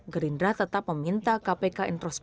gerindra tetap meminta kpk introspek